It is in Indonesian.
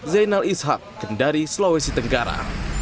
zainal ishak kendari sulawesi tenggara